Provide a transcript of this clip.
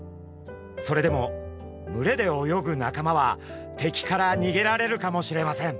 それでも群れで泳ぐ仲間は敵からにげられるかもしれません。